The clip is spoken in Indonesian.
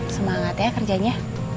semangat ya kerjanya